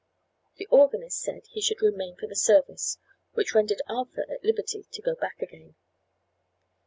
The organist said he should remain for the service, which rendered Arthur at liberty to go back again.